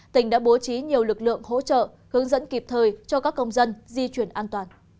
tỉnh đã bố trí nhiều lực lượng hỗ trợ hướng dẫn kịp thời cho các công dân di chuyển an toàn